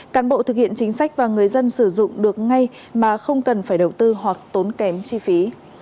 cán bộ thực hiện chính sách và người dân sử dụng được ngay mà không cần phải đầu tư hoặc tốn kém chi phí